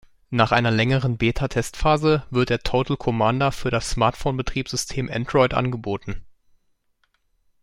Nach einer längeren Beta-Testphase wird der Total Commander für das Smartphone-Betriebssystem Android angeboten.